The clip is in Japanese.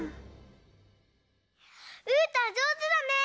うーたんじょうずだねえ！